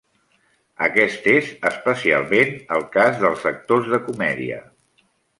Aquest és especialment el cas dels actors de comèdia.